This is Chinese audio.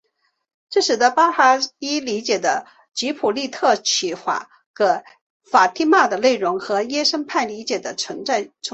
这使得巴哈伊理解的吉卜利勒启示给法蒂玛的内容和什叶派理解的存在冲突。